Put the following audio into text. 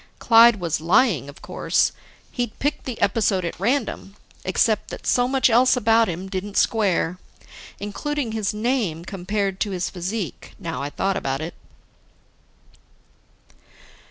Clyde was lying, of course. He'd picked the episode at random. Except that so much else about him didn't square. Including his name compared to his physique, now I thought about it.